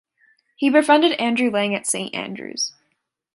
He befriended Andrew Lang at St Andrews.